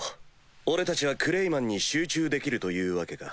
俺たちはクレイマンに集中できるというわけか。